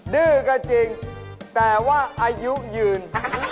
ดื้อก็จริงแต่ว่าอายุยืน